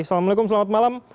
assalamualaikum selamat malam